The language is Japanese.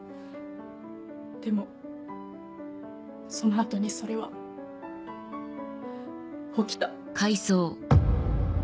でもその後にそれは起きた。